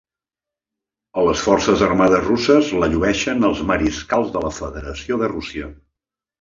A les Forces Armades Russes la llueixen els Mariscals de la Federació de Rússia.